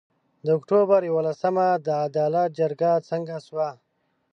د اُکټوبر یولسمه د عدالت جرګه څنګه سوه؟